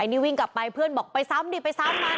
นี่วิ่งกลับไปเพื่อนบอกไปซ้ำดิไปซ้ำมัน